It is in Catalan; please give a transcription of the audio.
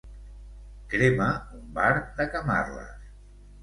Crema un bar de Camarles.